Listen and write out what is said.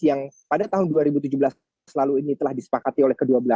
yang pada tahun dua ribu tujuh belas selalu ini telah disepakati oleh ketua dpr korea selatan